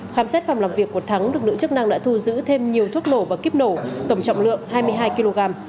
khoám xét phòng làm việc của thắng được nữ chức năng đã thu giữ thêm nhiều thuốc nổ và kiếp nổ tổng trọng lượng hai mươi hai kg